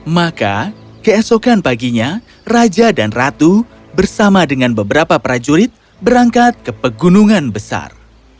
maka keesokan paginya raja dan ratu bersama dengan beberapa prajurit berangkat ke pegunungan besar